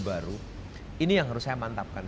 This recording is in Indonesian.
baru ini yang harus saya mantapkan